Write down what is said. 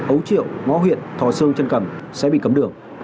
ấu triệu ngo huyện thò sương trân cẩm sẽ bị cấm đường